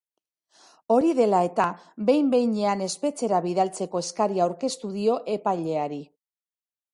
Hori dela eta, behin-behinean espetxera bidaltzeko eskaria aurkeztu dio epaileari.